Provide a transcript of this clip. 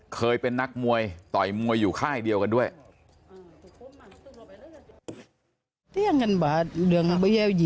เคยเป็นนักมวยต่อยมวยอยู่ค่ายเดียวกันด้วย